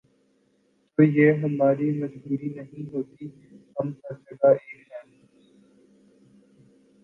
تو یہ ہماری مجبوری نہیں ہوتی، ہم ہر جگہ ایک ہیں۔